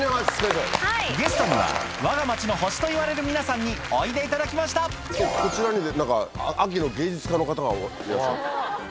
ゲストには「わが町の星」といわれる皆さんにおいでいただきましたこちらに何か秋の芸術家の方がいらっしゃる。